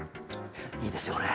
いいですよね